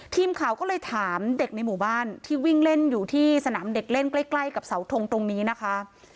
ทีมข่าวก็เลยถามเด็กในหมู่บ้านที่วิ่งเล่นอยู่ที่สนามเด็กเล่นใกล้กับเสาทงตรงนี้นะคะ